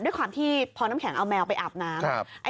ด้วยความที่พอน้ำแข็งเอาแมวไปอาบน้ำ